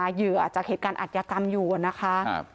เหยื่อจากเหตุการณ์อัธยากรรมอยู่นะคะ